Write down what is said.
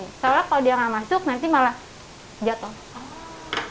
setelah kalau dia nggak masuk nanti malah jatuh